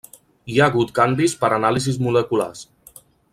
Hi ha hagut canvis per anàlisis moleculars.